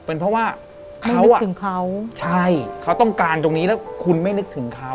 ไม่นึกถึงเขาใช่เค้าต้องการตรงนี้แล้วคุณไม่นึกถึงเขา